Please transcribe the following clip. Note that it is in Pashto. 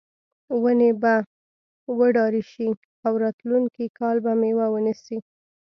ونې به وډارې شي او راتلونکي کال به میوه ونیسي.